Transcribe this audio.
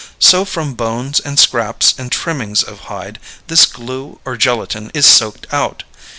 So from bones and scraps and trimmings of hide this glue or gelatin is soaked out.